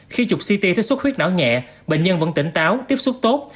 khi chục ct thích xuất huyết não nhẹ bệnh nhân vẫn tỉnh táo tiếp xúc tốt